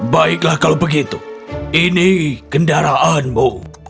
baiklah kalau begitu ini kendaraanmu